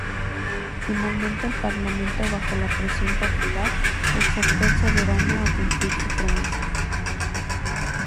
Finalmente el Parlamento, bajo la presión popular, exhortó al soberano a cumplir su promesa.